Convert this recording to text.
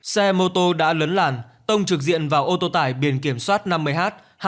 xe mô tô đã lấn lản tông trực diện vào ô tô tải biển kiểm soát năm mươi h hai mươi nghìn hai mươi một